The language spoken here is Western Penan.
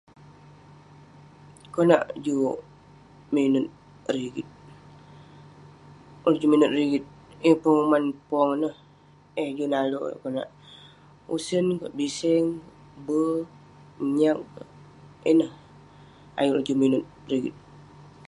Konak juk minut rigit? Ulouk juk minak rigit, yeng penguman pong ineh eh juk nale'erk ulouk konak usen kek, biseng, ber, nyag. Ineh, ayuk ulouk juk minut rigit.